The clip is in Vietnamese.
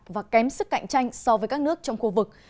và kém sức cạnh tranh so với các nước trong khu vực